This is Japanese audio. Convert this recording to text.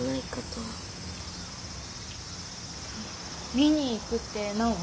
「見に行く」って何を？